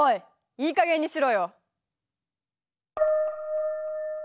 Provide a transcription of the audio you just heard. いいかげんにしろよ！